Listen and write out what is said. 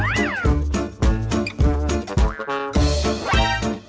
สมัดข่าวเด็ก